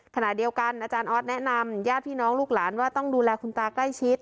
ขณะเดียวกันอาจารย์ออสแนะนำญาติพี่น้องลูกหลานว่าต้องดูแลคุณตาใกล้ชิด